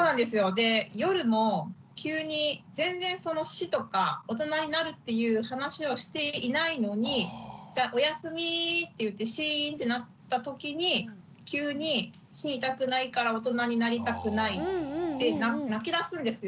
で夜も急に全然その死とか大人になるっていう話をしていないのに「じゃおやすみ」って言ってシーンってなったときに急に「死にたくないから大人になりたくない」って泣きだすんですよ。